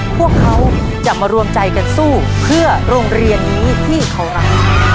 พวกเขาจะมารวมใจกันสู้เพื่อโรงเรียนนี้ที่เขารัก